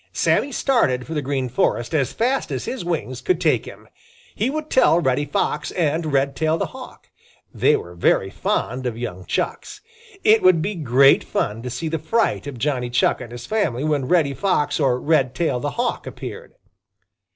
Sammy started for the Green Forest as fast as his wings could take him. He would tell Reddy Fox and Redtail the Hawk. They were very fond of young Chucks. It would be great fun to see the fright of Johnny Chuck and his family when Reddy Fox or Redtail the Hawk appeared.